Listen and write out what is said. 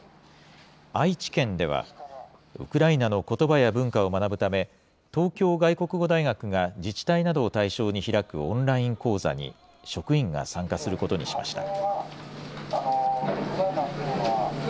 愛知県では、ウクライナのことばや文化を学ぶため、東京外国語大学が自治体などを対象に開くオンライン講座に、職員が参加することにしました。